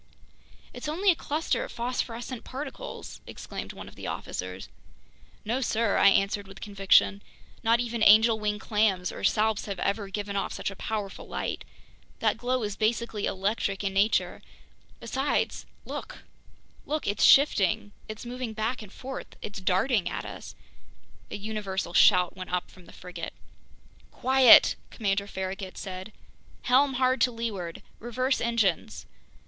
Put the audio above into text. "It's only a cluster of phosphorescent particles!" exclaimed one of the officers. "No, sir," I answered with conviction. "Not even angel wing clams or salps have ever given off such a powerful light. That glow is basically electric in nature. Besides ... look, look! It's shifting! It's moving back and forth! It's darting at us!" A universal shout went up from the frigate. "Quiet!" Commander Farragut said. "Helm hard to leeward! Reverse engines!"